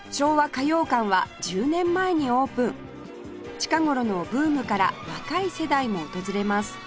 近頃のブームから若い世代も訪れます